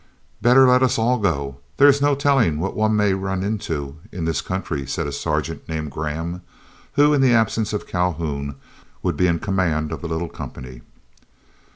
"Better let us all go, there is no telling what one may run into in this country," said a sergeant named Graham, who in the absence of Calhoun would be in command of the little company.